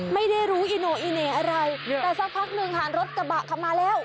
ไม่ได้รู้อีโน่อีเหน่อะไรแต่สักพักหนึ่งค่ะรถกระบะขับมาแล้ว